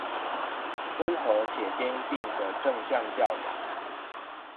溫和且堅定的正向教養